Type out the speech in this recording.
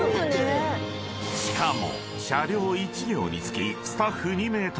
［しかも］